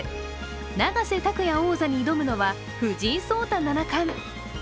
永瀬拓矢王座に挑むのは藤井聡太七冠。